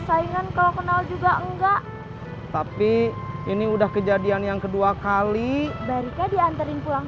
saingan kalau kenal juga enggak tapi ini udah kejadian yang kedua kali dari kayak diantarin pulang